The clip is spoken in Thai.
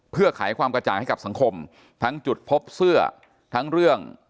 เพื่อขายความกระจ่างให้กับสังคมทั้งจุดพบเสื้อทั้งเรื่อง